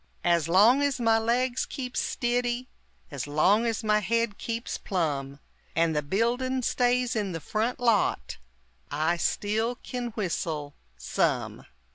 As long as my legs keeps stiddy, And long as my head keeps plum, And the buildin' stays in the front lot, I still kin whistle, some!